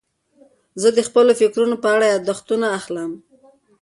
زه د خپلو فکرونو په اړه یاداښتونه اخلم.